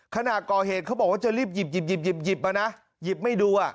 ขณะก่อเหตุเขาบอกว่าจะรีบหยิบหยิบมานะหยิบไม่ดู